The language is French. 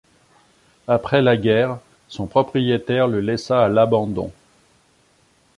Après la guerre, son propriétaire le laissa à l'abandon.